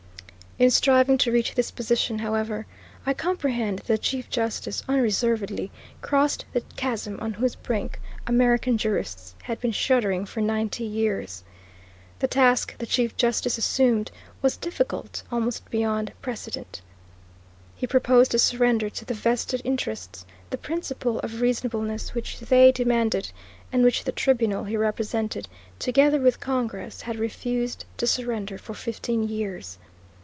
In striving to reach this position, however, I apprehend that the Chief Justice, unreservedly, crossed the chasm on whose brink American jurists had been shuddering for ninety years. The task the Chief Justice assumed was difficult almost beyond precedent. He proposed to surrender to the vested interests the principle of reasonableness which they demanded, and which the tribunal he represented, together with Congress, had refused to surrender for fifteen years.